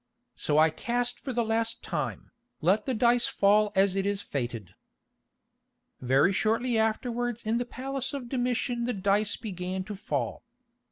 So I cast for the last time, let the dice fall as it is fated." Very shortly afterwards in the palace of Domitian the dice began to fall.